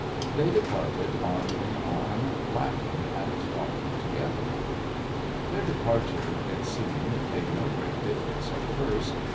They departed arm in arm, laughing and talking together. Their departure, it seemed, made no great difference at first.